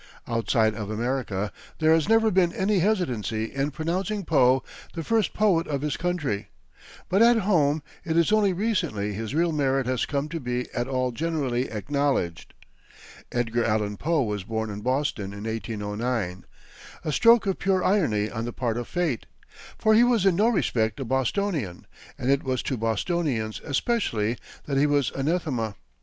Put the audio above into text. Outside of America, there has never been any hesitancy in pronouncing Poe the first poet of his country; but, at home, it is only recently his real merit has come to be at all generally acknowledged. Edgar Allan Poe was born in Boston in 1809 a stroke of purest irony on the part of fate, for he was in no respect a Bostonian, and it was to Bostonians especially that he was anathema.